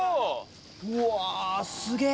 うわすげぇ！